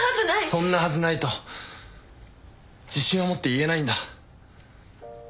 そんなはずないと自信を持って言えないんだ。